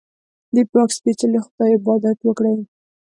د پاک سپېڅلي خدای عبادت وکړئ.